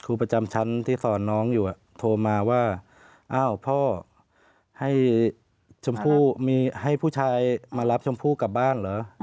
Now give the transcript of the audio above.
ครูประจำชั้นที่สอนน้องอยู่โทรมาว่าอ้าวพ่อให้ชมพู่มีให้ผู้ชายมารับชมพู่กลับบ้านเหรอ